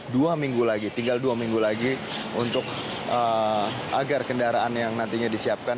dua minggu lagi tinggal dua minggu lagi untuk agar kendaraan yang nantinya disiapkan